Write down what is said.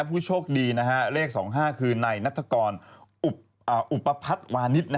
ผู้โชคดีเลข๒๕คือนายนัฐกรอุปพัฒน์วานิส